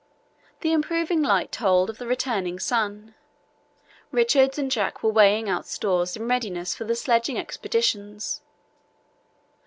The improving light told of the returning sun. Richards and Jack were weighing out stores in readiness for the sledging expeditions.